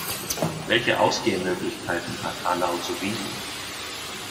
Welche Ausgehmöglichkeiten hat Hanau zu bieten?